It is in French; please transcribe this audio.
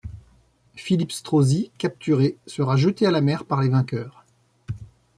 Philippe Strozzi, capturé, sera jeté à la mer par les vainqueurs.